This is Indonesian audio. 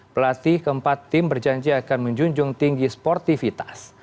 pelatih keempat tim berjanji akan menjunjung tinggi sportivitas